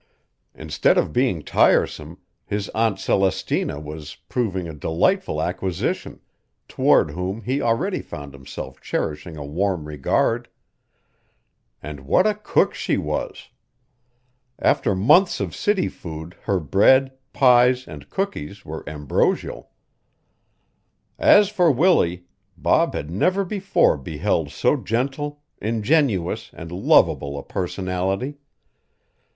Instead of being tiresome, his Aunt Celestina was proving a delightful acquisition, toward whom he already found himself cherishing a warm regard. And what a cook she was! After months of city food her bread, pies, and cookies were ambrosial. As for Willie Bob had never before beheld so gentle, ingenuous and lovable a personality.